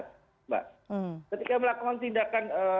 ketika melakukan tindakan